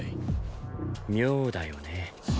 妙だよね。